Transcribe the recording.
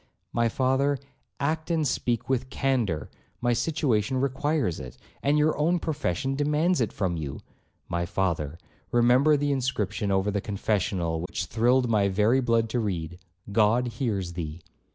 'My father, act and speak with candour, my situation requires it, and your own profession demands it from you. My father, remember the inscription over the confessional which thrilled my very blood to read, 'God hears thee.'